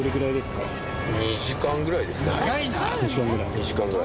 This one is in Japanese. ２時間ぐらい？